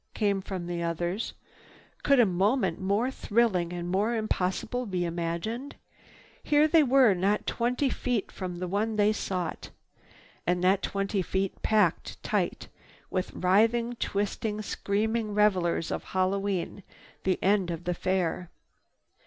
came from the others. Could a moment more thrilling and more impossible be imagined? Here they were not twenty feet from the one they sought. And that twenty feet packed tight with writhing, twisting, screaming revelers of Hallowe'en, the end of the Fair!